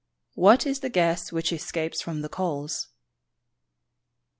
_What is the gas which escapes from the coals?